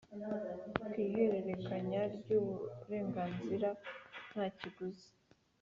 kw ihererekanya ry uburenganzira nta kiguzi